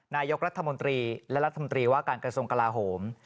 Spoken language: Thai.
นายกรัฐมนตรีและรัฐมนตรีว่าการกระทรวงกลาโหม